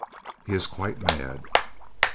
_ (He is quite mad.)